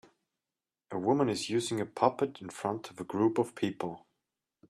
A woman is using a puppet in front of a group of people.